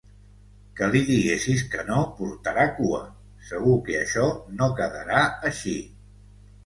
Que li diguessis que no, portarà cua. Segur que això no quedarà així.